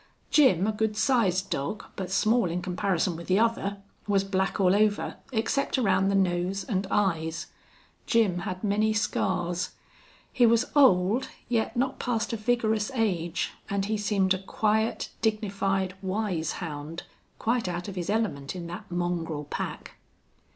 Jim, a good sized dog, but small in comparison with the other, was black all over, except around the nose and eyes. Jim had many scars. He was old, yet not past a vigorous age, and he seemed a quiet, dignified, wise hound, quite out of his element in that mongrel pack.